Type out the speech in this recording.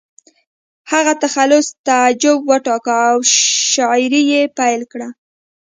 هغه تخلص تعجب وټاکه او شاعري یې پیل کړه